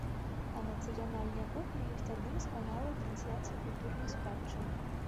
А нацыянальная кухня ёсць адным з каналаў трансляцыі культурнай спадчыны.